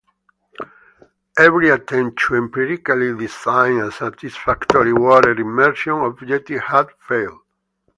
Every attempt to empirically design a satisfactory water immersion objective had failed.